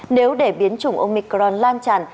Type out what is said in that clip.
nếu để biến chủng omicron lan tràn